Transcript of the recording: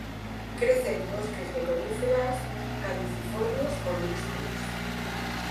Crece en bosques de coníferas, caducifolios o mixtos.